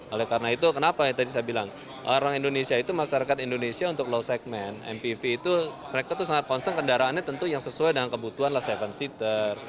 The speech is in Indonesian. oleh karena itu kenapa ya tadi saya bilang orang indonesia itu masyarakat indonesia untuk low segmen mpv itu mereka tuh sangat concern kendaraannya tentu yang sesuai dengan kebutuhan lah tujuh seater